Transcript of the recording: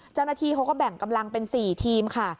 เจ้าหน้าที่เขาก็แบ่งกำลังเป็น๔ทีมค่ะ